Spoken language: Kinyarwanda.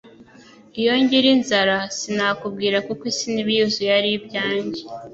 Iyaba ngira inzara, sinakubwira kuko isi n'ibiyuzuye ari ibyanjye. »